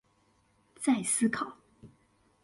再思考